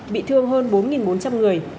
bị thương hơn bốn bốn trăm linh người